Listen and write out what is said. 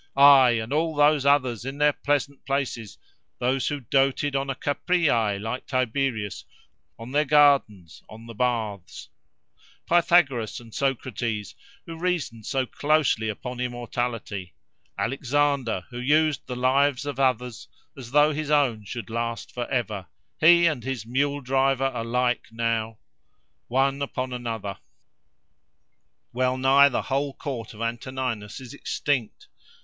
Ay! and all those others, in their pleasant places: those who doated on a Capreae like Tiberius, on their gardens, on the baths: Pythagoras and Socrates, who reasoned so closely upon immortality: Alexander, who used the lives of others as though his own should last for ever—he and his mule driver alike now!—one upon another. Well nigh the whole court of Antoninus is extinct.